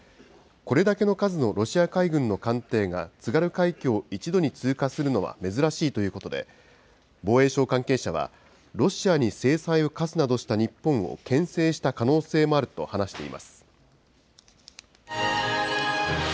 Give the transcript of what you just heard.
これだけの数のロシア海軍の艦艇が津軽海峡を一度に通過するのは珍しいということで、防衛省関係者は、ロシアに制裁を科すなどした日本をけん制した可能性もあると話しています。